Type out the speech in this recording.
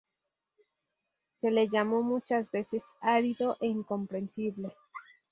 Se le llamó muchas veces "árido e incomprensible".